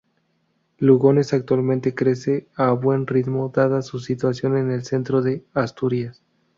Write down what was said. Lugones actualmente crece a buen ritmo dada su situación en el centro de Asturias.